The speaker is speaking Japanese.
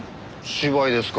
芝居ですか。